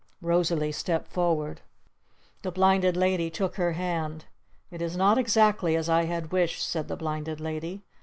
Rosalee stepped forward. The Blinded Lady took her hand. "It is not exactly as I had wished," said the Blinded Lady.